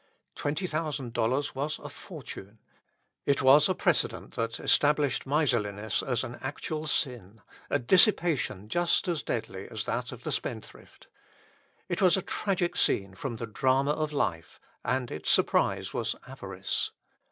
Twenty thousand dollars was a fortune. It was a precedent that established miserliness as an actual sin, a dissipation just as deadly as that of the spendthrift. It was a tragic scene from the drama of life, and its surprise was avarice.